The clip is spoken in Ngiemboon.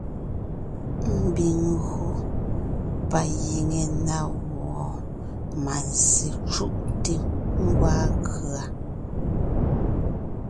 Ḿbiŋ ńgÿo pa giŋe na wɔɔn mánzsè cú’te ńgwaa kʉ̀a.